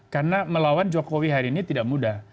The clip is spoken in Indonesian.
karena melawan jokowi hari ini tidak mudah